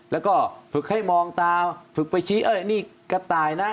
แล้วก็ฝึกให้มองตาฝึกไปชี้เอ้ยนี่กระต่ายนะ